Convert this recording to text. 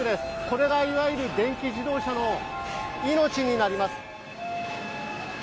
これがいわゆる電気自動車の命になります。